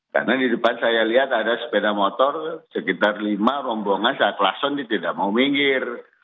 karena di depan saya lihat ada sepeda motor sekitar lima rombongan saya kelasan dia tidak mau minggir